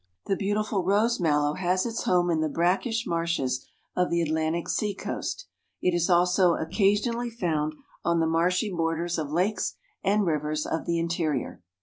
The beautiful Rose Mallow has its home in the brackish marshes of the Atlantic sea coast. It is also occasionally found on the marshy borders of lakes and rivers of the interior.